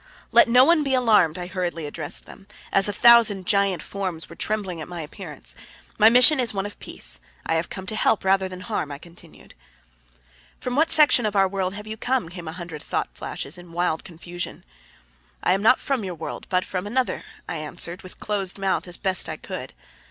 "Let no one be alarmed," I hurriedly addressed them, as a thousand giant forms were trembling at my appearance. "My mission is one of peace. I have come to help rather than harm," I continued. "From what section of our world have you come?" came a hundred thought flashes in wild confusion. "I am not from your world, but from another," I answered with closed mouth as best I could.